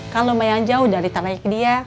kan lumayan jauh dari teraih ke dia